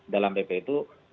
dalam bp itu